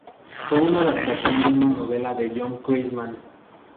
Fue una adaptación de una novela de John Grisham.